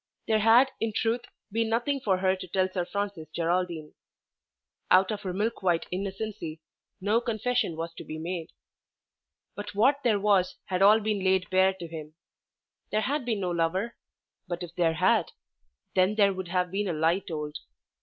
There had in truth been nothing for her to tell Sir Francis Geraldine. Out of her milk white innocency no confession was to be made. But what there was had all been laid bare to him. There had been no lover, but if there had, then there would have been a lie told.